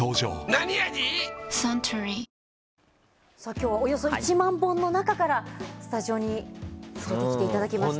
今日はおよそ１万本の中からスタジオに持ってきていただきました。